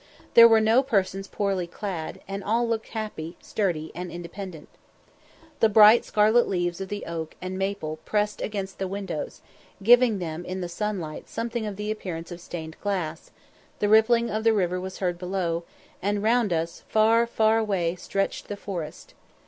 There were no persons poorly clad, and all looked happy, sturdy, and independent. The bright scarlet leaves of the oak and maple pressed against the windows, giving them in the sunlight something of the appearance of stained glass; the rippling of the river was heard below, and round us, far, far away, stretched the forest.